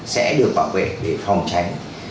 sẽ được bảo vệ để phòng tránh